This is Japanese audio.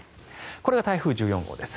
これが台風１４号です。